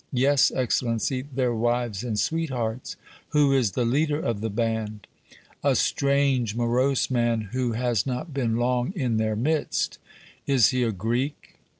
"Yes, Excellency, their wives and sweethearts." "Who is the leader of the band?" "A strange, morose man, who has not been long in their midst." "Is he a Greek?"